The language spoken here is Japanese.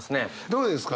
どうですか？